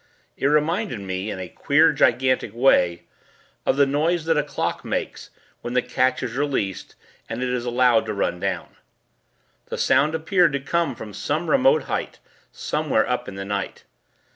It reminded me, in a queer, gigantic way, of the noise that a clock makes, when the catch is released, and it is allowed to run down. The sound appeared to come from some remote height somewhere up in the night.